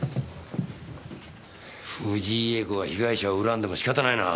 藤井詠子が被害者を恨んでも仕方ないな。